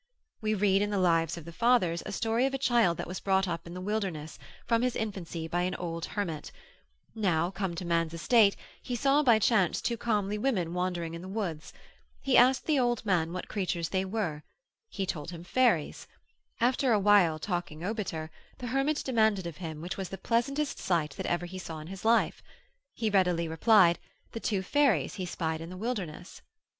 We read in the Lives of the Fathers, a story of a child that was brought up in the wilderness, from his infancy, by an old hermit: now come to man's estate, he saw by chance two comely women wandering in the woods: he asked the old man what creatures they were, he told him fairies; after a while talking obiter, the hermit demanded of him, which was the pleasantest sight that ever he saw in his life? He readily replied, the two fairies he spied in the wilderness.